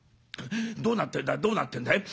どうなってんだどうなってんだい。